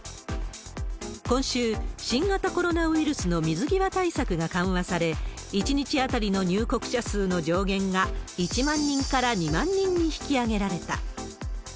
今週、新型コロナウイルスの水際対策が緩和され、１日当たりの入国者数の上限が１万人から２万人に引き上げられた。